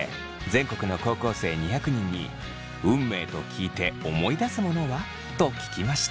全国の高校生２００人に運命と聞いて思い出すものは？と聞きました。